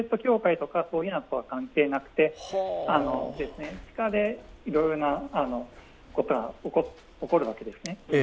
プレート境界とか、そういうふうなことは関係なくて地下でいろいろなことが起こるわけですね。